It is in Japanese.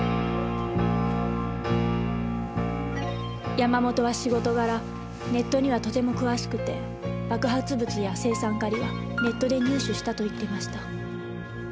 山本は仕事柄ネットにはとても詳しくて爆発物や青酸カリはネットで入手したと言っていました。